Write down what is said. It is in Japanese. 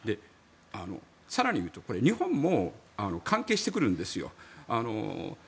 更に言うと、これ日本も関係してくるんですよ。